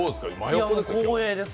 光栄です